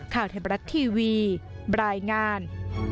ข้าวเทพลักษณ์ทีวีบรายงาน